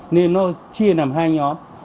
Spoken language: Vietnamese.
nên nó chia làm hai nhóm